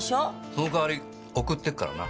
その代わり送ってくからな。